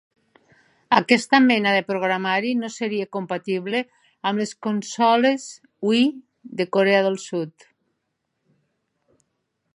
Aquesta mena de programari no seria compatible amb les consoles Wii de Corea del Sud.